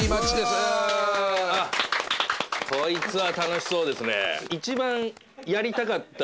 こいつは楽しそうですね。